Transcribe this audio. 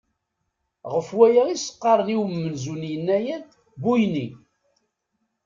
Ɣef waya i as-qqaren i umenzu n yennayer Buyni.